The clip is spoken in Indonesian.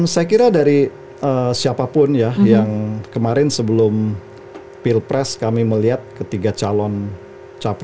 saya kira dari siapapun ya yang kemarin sebelum pilpres kami melihat ketiga calon capres cawapun